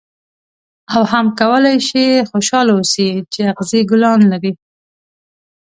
او هم کولای شې خوشاله اوسې چې اغزي ګلان لري.